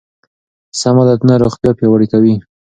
سم عادتونه روغتیا پیاوړې کوي.